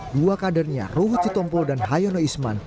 dua kadernya rohu citompul dan hayono isman